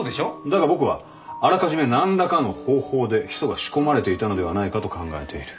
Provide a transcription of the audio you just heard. だが僕はあらかじめ何らかの方法でヒ素が仕込まれていたのではないかと考えている。